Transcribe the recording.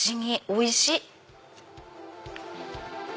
おいしい！